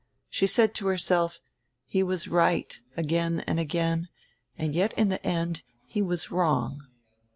She said to herself, he was right, again and again, and yet in the end he was wrong.